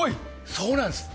そうなんです！